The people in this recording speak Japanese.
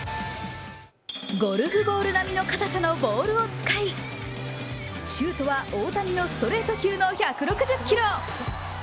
ゴルフボール並みの硬さのボールを使い、シュートは大谷級のストレートの１６０キロ。